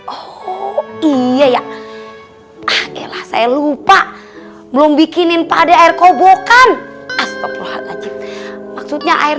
oh iya ya ah elah saya lupa belum bikinin pade air kobokan astagfirullahaladzim maksudnya air